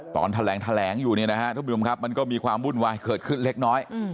ตอนแถวแหลงอยู่มันก็มีความบุ่นวายเคิดขึ้นเล็กน้อย